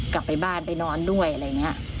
กลับไปบ้านไปนอนด้วยอะไรอย่างนี้